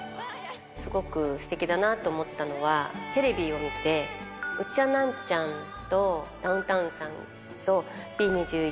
すごくすてきだなと思ったのは、テレビを見て、ウッチャンナンチャンとダウンタウンさんとＢ２１